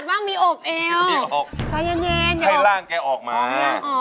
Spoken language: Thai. ให้ร่างกันออกมา